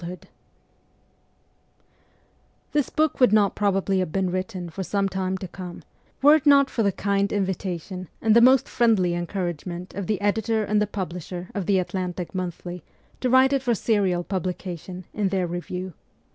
6 THIS book would not probably have been written for some time to come, were it not for the kind invitation and the most friendly encouragement of tlie editor and tlie publisher of the ' Atlantic Monthly ' to write it for serial publication in tlieir Review.